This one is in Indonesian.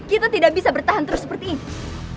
kita tidak bisa bertahan terus seperti ini